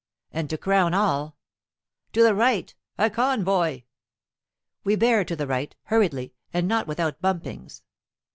And to crown all "To the right! A convoy!" We bear to the right, hurriedly, and not without bumpings.